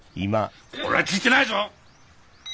俺は聞いてないぞ！